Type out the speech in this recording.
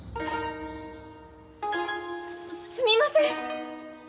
すみません。